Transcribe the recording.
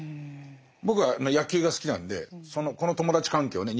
僕は野球が好きなんでこの友達関係をね